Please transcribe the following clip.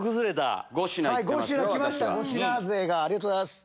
５品勢がありがとうございます。